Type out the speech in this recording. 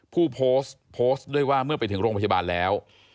ผู้โพสต์โพสต์ด้วยว่าเมื่อไปถึงโรงพยาบาลแล้ว